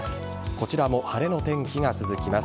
こちらも晴れの天気が続きます。